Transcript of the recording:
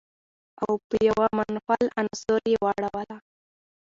او په يوه منفعل عنصر يې واړوله.